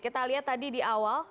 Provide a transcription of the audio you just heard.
kita lihat tadi di awal